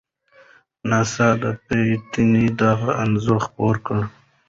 ناسا د پېټټ دغه انځور خپور کړ.